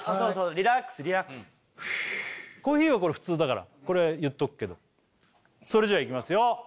リラックスリラックスコーヒーはこれ普通だから言っとくけどそれじゃいきますよ